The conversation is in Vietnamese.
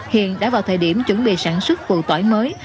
hiện đã vào thời điểm chuẩn bị sản xuất phụ tỏi mới